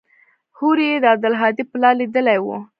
هورې يې د عبدالهادي پلار ليدلى و.